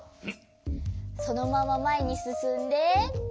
そのまままえにすすんで。